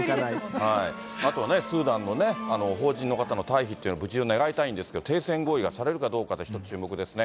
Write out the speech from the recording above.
あと、スーダンの邦人の方の退避というのを無事を願いたいんですが、停戦合意がされるかどうかですね、注目ですね。